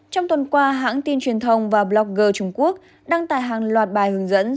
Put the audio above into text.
trong tuần qua hãng tin truyền thông và blogger trung quốc đăng tài hàng loạt bài hướng dẫn